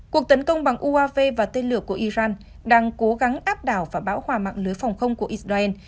cuộc tấn công bằng uav và tên lửa của iran đang cố gắng áp đảo và bão hòa mạng lưới phòng không của israel